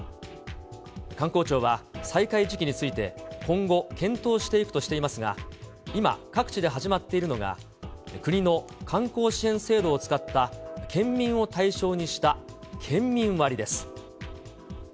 観光庁は、再開時期について、今後、検討していくとしていますが、今、各地で始まっているのが、国の観光支援制度を使った、県民を対象にした県民割です。